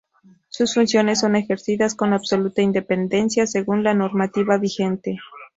Sus funciones son ejercidas con absoluta independencia según la normativa vigente.